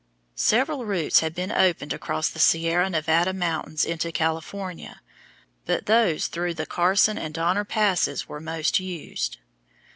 Several routes had been opened across the Sierra Nevada mountains into California, but those through the Carson and Donner passes were most used.